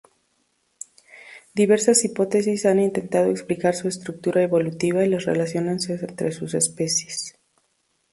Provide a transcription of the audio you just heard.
Diversas hipótesis han intentado explicar su estructura evolutiva y las relaciones entre sus especies.